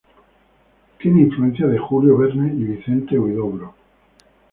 Tiene influencias de Julio Verne y Vicente Huidobro.